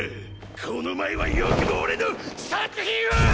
この前はよくも俺の作品を！！